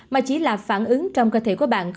mà chỉ là phản ứng trong cơ thể của bạn không tốt